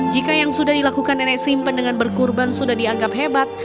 jika yang sudah dilakukan nenek simpen dengan berkurban sudah dianggap hebat